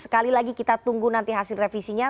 sekali lagi kita tunggu nanti hasil revisinya